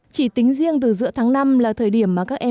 chỉ tính riêng từ giữa tháng năm là thời điểm mà các em